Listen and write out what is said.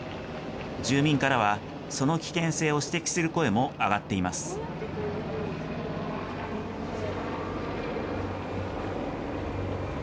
住民からは、その危険性を指摘する声も上がっています。